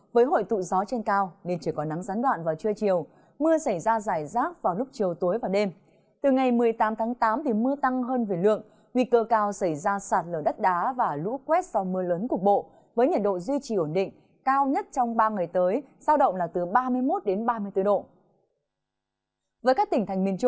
với hội tụ gió trên cao nên chỉ có nắng gián đoạn vào trưa chiều